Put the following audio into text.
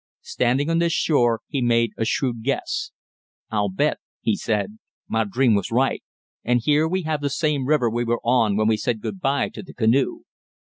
Standing on this shore, he made a shrewd guess. "I'll bet," he said, "my dream was right, and here we have the same river we were on when we said good bye to the canoe."